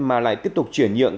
mà lại tiếp tục chuyển nhượng